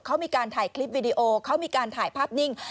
เขามีการถ่ายคลิปวิดีโอเขามีการถ่ายภาพนิ่ง